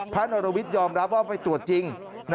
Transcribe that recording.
พระอรวิทย์ยอมรับว่าไปตรวจจริง